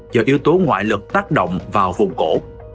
do yếu tố ngoại lực tác động vào vùng cổ